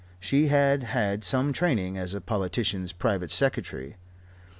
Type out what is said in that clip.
She had had some training as a politician's private secretary.